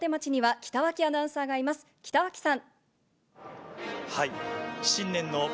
北脇さん。